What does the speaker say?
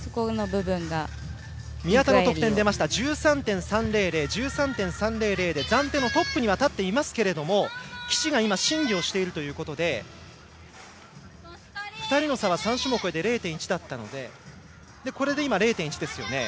宮田の得点１３．３００で暫定トップには立っていますが岸が今審議をしているということで２人の差は３種目で０．１だったのでこれで今、０．１ですよね。